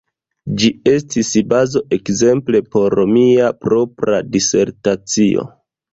Ĝi estis bazo ekzemple por mia propra disertacio.